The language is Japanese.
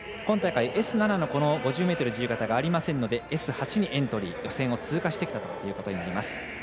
今大会Ｓ７の５０ｍ自由形がありませんのでＳ８にエントリー予選を通過してきたことになります。